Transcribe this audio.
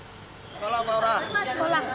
sekolah apa orang sekolah